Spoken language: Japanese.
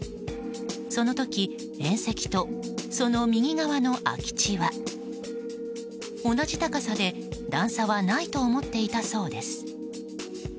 その時、縁石とその右側の空き地は同じ高さで段差はないと思っていたそうです。